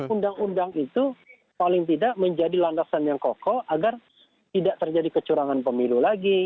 undang undang itu paling tidak menjadi landasan yang kokoh agar tidak terjadi kecurangan pemilu lagi